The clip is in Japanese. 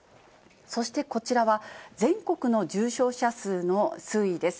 そしてこちらは、全国の重症者数の推移です。